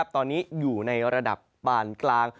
ตอนนี้อยู่ในระดับปานกลาง